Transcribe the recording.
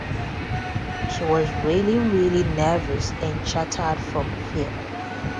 She was really very nervous, and chattered from fear.